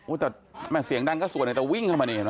อุ๊ยแต่เสียงดังก็สวยแต่วิ่งเข้ามานี่เห็นไหม